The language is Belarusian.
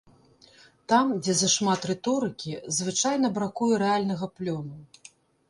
Там, дзе зашмат рыторыкі, звычайна бракуе рэальнага плёну.